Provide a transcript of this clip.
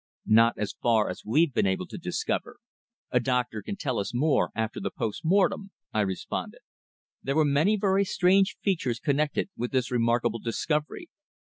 "Not as far as we've been able to discover. A doctor can tell us more after the post mortem," I responded. There were many very strange features connected with this remarkable discovery.